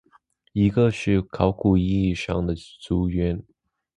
一个是考古意义上的族源。